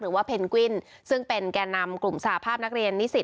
เพนกวินซึ่งเป็นแก่นำกลุ่มสหภาพนักเรียนนิสิต